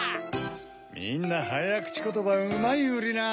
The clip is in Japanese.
みんなはやくちことばうまいウリな！